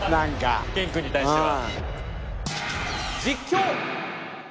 ケン君に対しては。